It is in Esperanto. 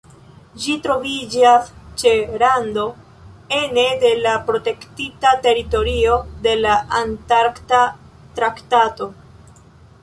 Ĝi troviĝas ĉe rando ene de la protektita teritorio de la Antarkta traktato.